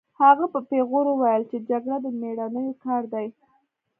هغه په پیغور وویل چې جګړه د مېړنیو کار دی